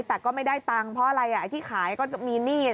แต่ก็ไม่ได้ตังค์เพราะอะไรที่ขายก็จะมีหนี้